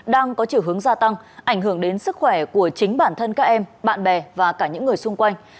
đang có chiều hướng gia tăng ảnh hưởng đến sức khỏe của chính bản thân các em bạn bè và cả những người xung quanh